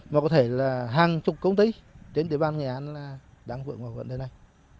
mà có thể là hàng chục công ty trên tỉnh ban nghệ an đang vượt vào vận đề này